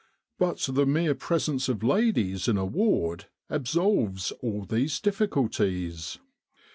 But the mere presence of ladies in a ward absolves all these difficulties.